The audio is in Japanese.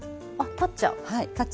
立っちゃう。